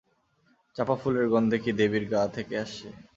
চাঁপা ফুলের গন্ধ কি দেবীর গা থেকেই আসছে?